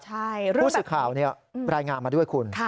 พูดสิทธิ์ข่าวเนี่ยรายงานมาด้วยคุณ